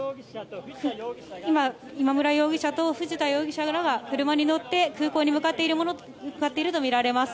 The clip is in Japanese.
今村容疑者と藤田容疑者らが車に乗って空港に向かっているとみられます。